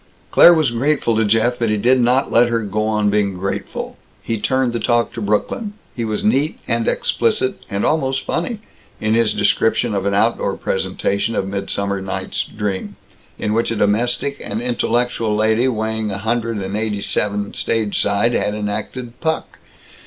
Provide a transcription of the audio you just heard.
Claire was grateful to Jeff that he did not let her go on being grateful. He turned the talk to Brooklyn. He was neat and explicit and almost funny in his description of an outdoor presentation of Midsummer Night's Dream, in which a domestic and intellectual lady weighing a hundred and eighty seven stageside had enacted Puck.